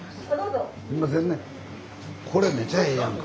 これめちゃええやんか。